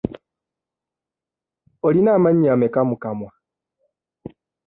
Olina amannyo ameka mu kwamwa?